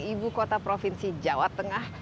ibu kota provinsi jawa tengah